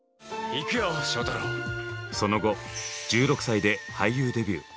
その後１６歳で俳優デビュー。